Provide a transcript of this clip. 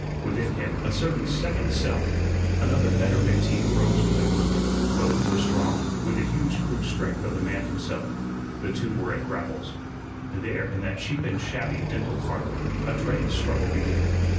Within him, a certain second self, another better McTeague rose with the brute; both were strong, with the huge crude strength of the man himself. The two were at grapples. There in that cheap and shabby "Dental Parlor" a dreaded struggle began.